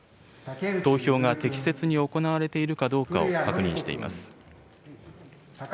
投票が適切に行われているかどうかを確認しています。